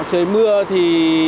trời mưa thì